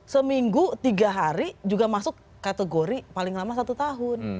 seminggu tiga hari juga masuk kategori paling lama satu tahun